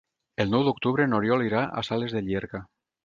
El nou d'octubre n'Oriol irà a Sales de Llierca.